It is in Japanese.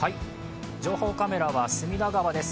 情報カメラは隅田川です。